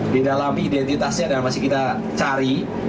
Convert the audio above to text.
didalami identitasnya dan masih kita cari